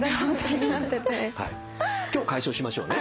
今日解消しましょうね。